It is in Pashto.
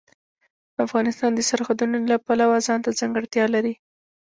افغانستان د سرحدونه د پلوه ځانته ځانګړتیا لري.